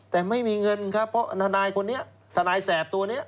แต่ไม่มีเงินครับเพราะทนายคนนี้ทนายแสบตัวนี้